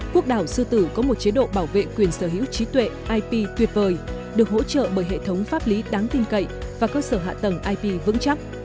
quốc đảo sư tử có một chế độ bảo vệ quyền sở hữu trí tuệ ip tuyệt vời được hỗ trợ bởi hệ thống pháp lý đáng tin cậy và cơ sở hạ tầng ip vững chắc